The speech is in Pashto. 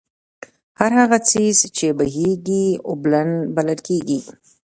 هر هغه څيز چې بهېږي، اوبلن بلل کيږي